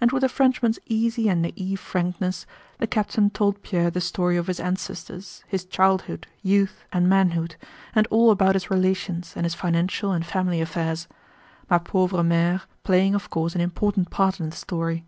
And with a Frenchman's easy and naïve frankness the captain told Pierre the story of his ancestors, his childhood, youth, and manhood, and all about his relations and his financial and family affairs, "ma pauvre mère" playing of course an important part in the story.